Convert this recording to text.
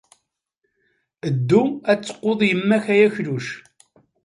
Ddu ad teqqud yemma-k a akluc.